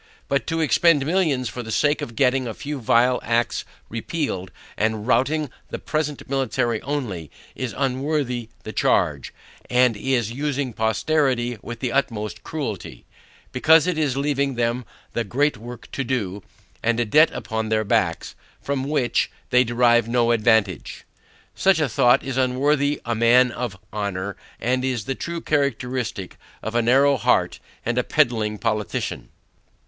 But to expend millions for the sake of getting a few vile acts repealed, and routing the present ministry only, is unworthy the charge, and is using posterity with the utmost cruelty; because it is leaving them the great work to do, and a debt upon their backs, from which, they derive no advantage. Such a thought is unworthy a man of honor, and is the true characteristic of a narrow heart and a pedling politician.